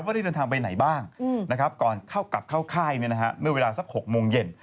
ได้เดินทางไปไหนบ้างก่อนเข้ากลับเข้าค่ายเมื่อเวลาสัก๖โมงเย็น